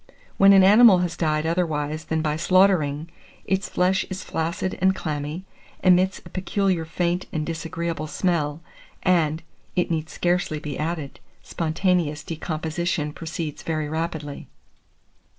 When an animal has died otherwise than by slaughtering, its flesh is flaccid and clammy, emits a peculiar faint and disagreeable smell, and, it need scarcely be added, spontaneous decomposition proceeds very rapidly.